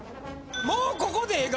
もうここでええ